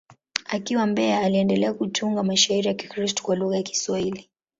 Akiwa Mbeya, aliendelea kutunga mashairi ya Kikristo kwa lugha ya Kiswahili.